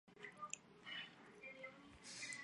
台湾蕈珊瑚为蕈珊瑚科蕈珊瑚属下的一个种。